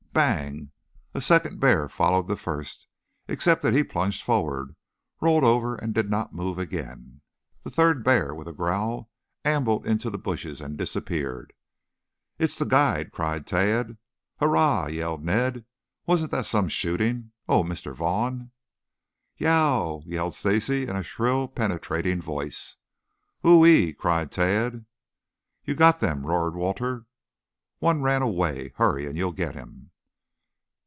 Bang! A second bear followed the first, except that he plunged forward, rolled over, and did not move again. The third bear, with a growl, ambled into the bushes and disappeared. "It's the guide!" cried Tad. "Hurrah!" yelled Ned. "Wasn't that some shooting? Oh, Mr. Vaughn!" "Ye o w!" yelled Stacy in a shrill, penetrating voice. "Whoo ee!" cried Tad. "You've got them," roared Walter. "One ran away. Hurry and you'll get him."